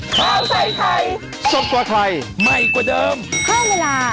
โปรดติดตามตอนต่อไป